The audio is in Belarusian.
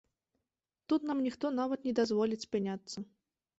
Тут нам ніхто нават не дазволіць спыняцца.